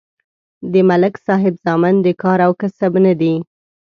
د ملک صاحب زامن د کار او کسب نه دي